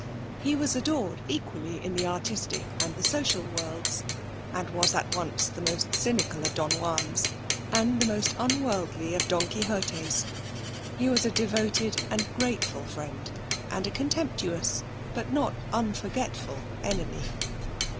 He was adored equally in the artistic and the social worlds, and was at once the most cynical of Don Juans and the most unworldly of Don Quixotes. He was a devoted and grateful friend, and a contemptuous but not unforgetful enemy.